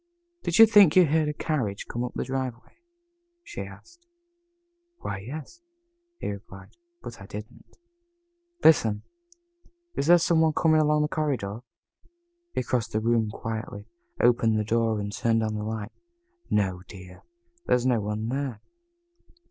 "Did you think you heard a carriage come up the driveway?" she asked. "Why, yes," he replied, "but I didn't." "Listen! Is there some one coming along the corridor?" He crossed the room quietly, opened the door, and turned on the light. "No, dear. There is no one there."